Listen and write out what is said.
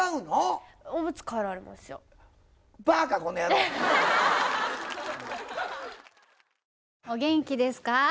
お元気ですか？